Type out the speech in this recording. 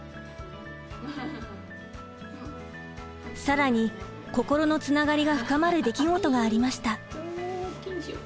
更に心のつながりが深まる出来事がありました。